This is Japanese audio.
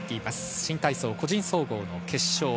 新体操個人総合決勝。